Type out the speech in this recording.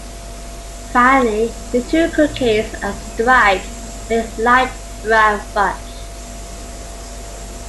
Finally, the two cookies are striped with light brown fudge.